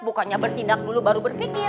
bukannya bertindak dulu baru berpikir